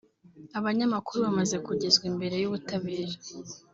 Abanyamakuru bamaze kugezwa imbere y’ubutabera